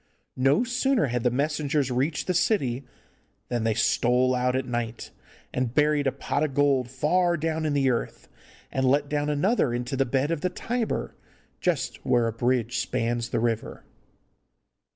No sooner had the messengers reached the city than they stole out at night and buried a pot of gold far down in the earth, and let down another into the bed of the Tiber, just where a bridge spans the river.